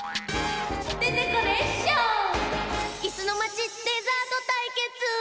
「いすのまちデザートたいけつ」！